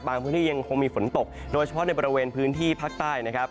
พื้นที่ยังคงมีฝนตกโดยเฉพาะในบริเวณพื้นที่ภาคใต้นะครับ